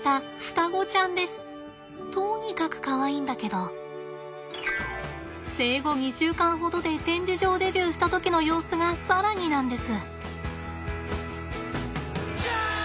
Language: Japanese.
とにかくかわいいんだけど生後２週間ほどで展示場デビューした時の様子が更になんです。